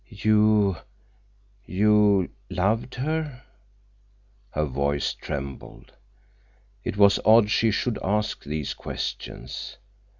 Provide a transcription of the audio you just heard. "You—you—loved her—" Her voice trembled. It was odd she should ask these questions.